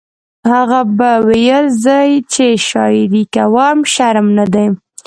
هغه به ویل زه چې شاعري کوم شرم نه دی